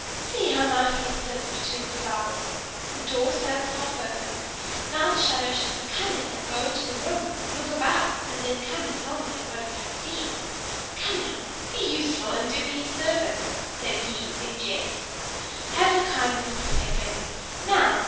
"See, how nicely it sits between the flowers. The door stands half open: now the shadow should be cunning, and go into the room, look about, and then come and tell me what it had seen. Come, now! Be useful, and do me a service," said he, in jest. "Have the kindness to step in. Now!